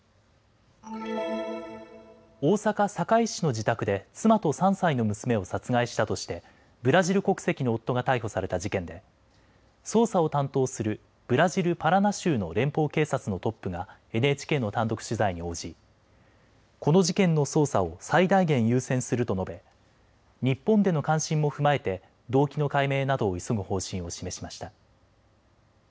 大阪堺市の自宅で妻と３歳の娘を殺害したとしてブラジル国籍の夫が逮捕された事件で捜査を担当するブラジル・パラナ州の連邦警察のトップがＮＨＫの単独取材に応じこの事件の捜査を最大限、優先すると述べ日本での関心も踏まえて動機の解明などを急ぐ方針を示しました。